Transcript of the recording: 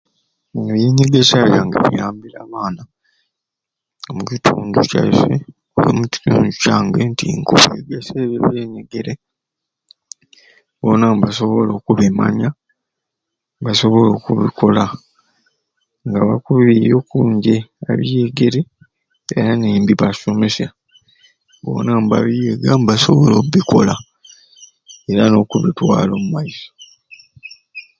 Ebyanyegesya byange biyambire abaana omukitundu kyaiswe omukitundu kyange nti nkubegesya ebyo byenyegere bona mbasobola okubimanya, mbasobola okubikola nga bakubiya okunje abyegere njena nimbibasomesya bona mbabyeega mbasobola obikola era nokubitwala omumaiso.